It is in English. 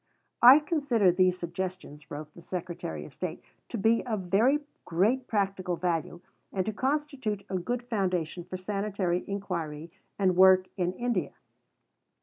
"I consider these Suggestions," wrote the Secretary of State, "to be of very great practical value and to constitute a good foundation for sanitary inquiry and work in India."